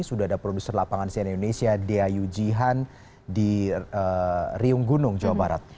sudah ada produser lapangan sna indonesia d a yu jihan di riung gunung jawa barat